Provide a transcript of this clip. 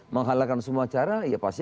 menghalakan semua cara ya pasti